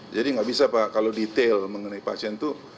jadi gak bisa pak kalau detail mengenai pasien itu